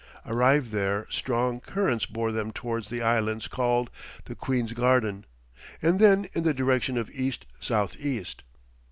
Arrived there, strong currents bore them towards the islands called the Queen's Garden, and then in the direction of east south east.